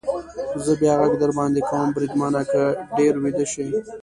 زه بیا غږ در باندې کوم، بریدمنه، که ډېر ویده شې.